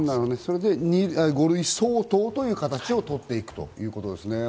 それで５類相当という形をとっていくということですね。